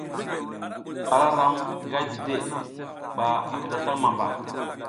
Ara ram nga dide ɓa a kiɗataŋ mamba.